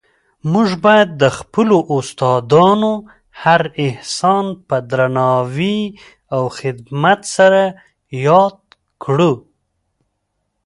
موږ باید د خپلو استادانو هر احسان په درناوي او خدمت سره یاد کړو.